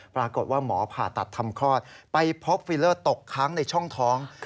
ปรากฏว่าหมอผ่าตัดทำคลอดไปพบฟิลเลอร์ตกค้างในช่องท้อง